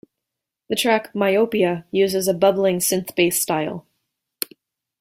The track "Myopia" uses a bubbling synth-bass style.